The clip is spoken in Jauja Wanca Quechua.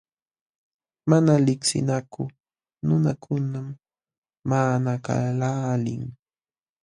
Mana liqsinakuq nunakunam maqanakaqlaalin.